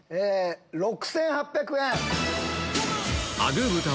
６８００円。